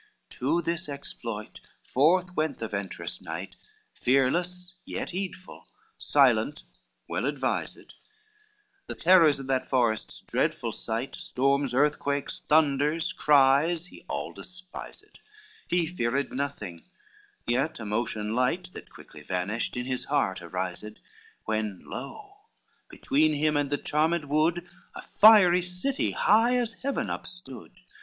XXXIII To this exploit forth went the venturous knight, Fearless, yet heedful; silent, well advised, The terrors of that forest's dreadful sight, Storms, earthquakes, thunders, cries, he all despised: He feared nothing, yet a motion light, That quickly vanished, in his heart arised When lo, between him and the charmed wood, A fiery city high as heaven up stood.